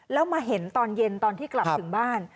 แล้วมาเห็นตอนเย็นตอนที่กลับถึงบ้าน